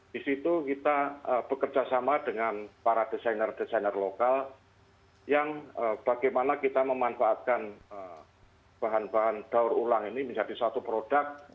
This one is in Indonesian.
di situ kita bekerja sama dengan para desainer desainer lokal yang bagaimana kita memanfaatkan bahan bahan daur ulang ini menjadi suatu produk